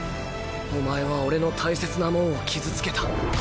お前は俺の大切なもんを傷つけた。